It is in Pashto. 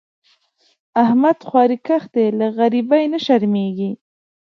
احمد خواریکښ دی؛ له غریبۍ نه شرمېږي.